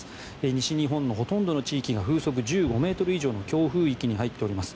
西日本のほとんどの地域が風速１５ｍ以上の強風域に入っています。